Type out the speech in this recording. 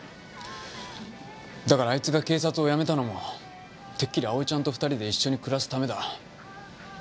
だからあいつが警察を辞めたのもてっきり蒼ちゃんと２人で一緒に暮らすためだ。